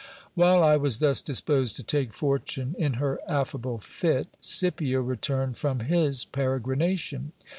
While I was thus disposed to take fortune in her affable fit, Scipio returned from his peregrination.